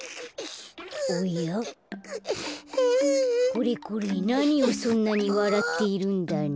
これこれなにをそんなにわらっているんだね？